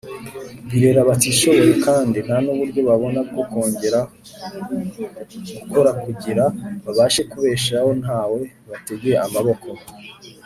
birera batishoboye kandi ntanuburyo babona bwo kongera gukora kugira babashe kwibeshaho ntawe bategeye amaboko .